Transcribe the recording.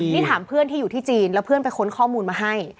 นี่ถามเพื่อนที่อยู่ที่จีนแล้วเพื่อนไปค้นข้อมูลมาให้